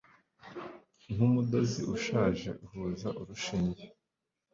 nkumudozi ushaje uhuza urushinge